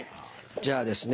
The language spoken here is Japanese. じゃあですね